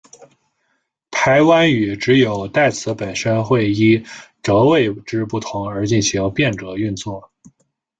排湾语只有代词本身会依格位之不同而进行变格运作。